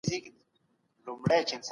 ملي هنداره زما د ماشومتوب ملګری و.